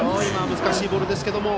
難しいボールですけども。